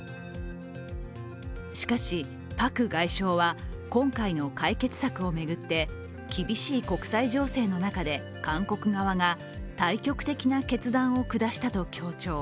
しかし、パク外相は今回の解決策を巡って厳しい国際情勢の中で、韓国側が大局的な決断を下したと強調。